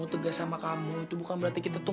tegas sama kamu itu bukan berarti kita tuh